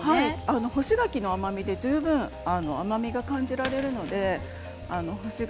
干し柿の甘みで十分、甘みが感じられるので。